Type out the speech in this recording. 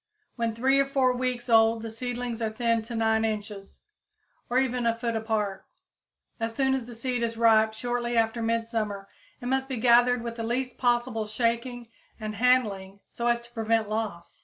When three or four weeks old the seedlings are thinned to 9 inches, or even a foot apart. As soon as the seed is ripe, shortly after midsummer, it must be gathered with the least possible shaking and handling, so as to prevent loss.